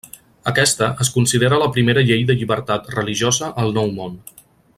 Aquesta es considera la primera llei de llibertat religiosa al Nou Món.